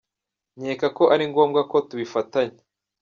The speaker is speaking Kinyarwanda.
Nkeka ko ari ngombwa ko tubifatanya.